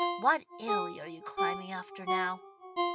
What Italy are you climbing after now?"